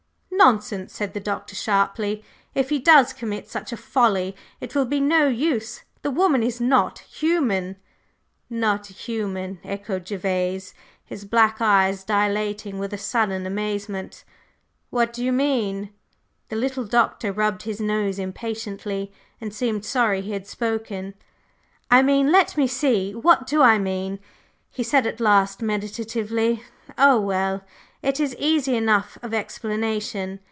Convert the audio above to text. "Nonsense!" said the Doctor sharply. "If he does commit such a folly, it will be no use. The woman is not human!" "Not human?" echoed Gervase, his black eyes dilating with a sudden amazement "What do you mean?" The little Doctor rubbed his nose impatiently and seemed sorry he had spoken. "I mean let me see! What do I mean?" he said at last meditatively "Oh, well, it is easy enough of explanation.